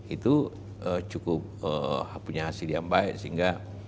itu cukup punya hasil yang baik sehingga